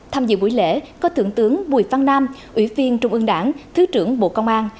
tham dự buổi lễ có thượng tướng bùi văn nam ủy viên trung ương đảng thứ trưởng bộ công an